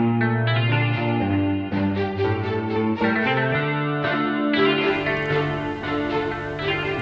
dan kalian berboleh tatuh iki raki considerasi tersebut